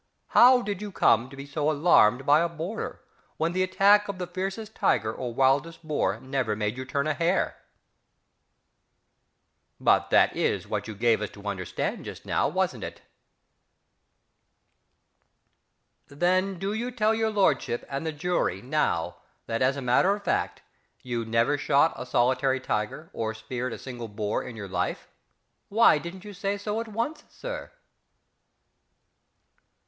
How did you come to be so alarmed by a boarder, when the attack of the fiercest tiger or wild boar never made you turn a hair?... But that is what you gave us to understand just now, wasn't it?... Then do you tell his lordship and the jury now that, as a matter of fact, you never shot a solitary tiger or speared a single boar in your life? Why didn't you say so at once, Sir....